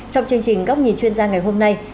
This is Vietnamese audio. trong chương trình góc nhìn chuyên gia ngày hôm nay